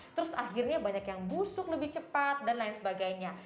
terus akhirnya banyak yang busuk lebih cepat dan lain sebagainya